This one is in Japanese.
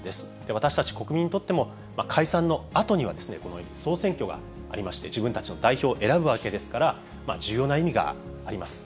私たち国民にとっても、解散のあとには、このように総選挙がありまして、自分たちの代表を選ぶわけですから、重要な意味があります。